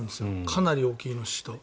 かなり大きい牛と。